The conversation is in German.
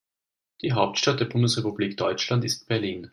Die Hauptstadt der Bundesrepublik Deutschland ist Berlin